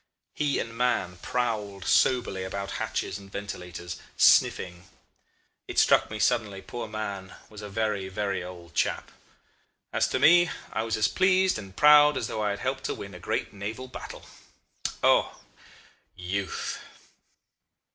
He and Mahon prowled soberly about hatches and ventilators, sniffing. It struck me suddenly poor Mahon was a very, very old chap. As to me, I was as pleased and proud as though I had helped to win a great naval battle. O! Youth!